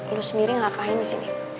lo sendiri ngapain disini